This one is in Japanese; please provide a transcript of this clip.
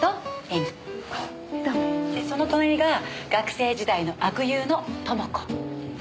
でその隣が学生時代の悪友の智子。